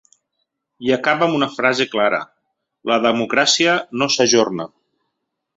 I acaba amb una frase clara: ‘La democràcia no s’ajorna’.